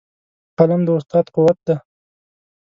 قلم د استاد قوت دی.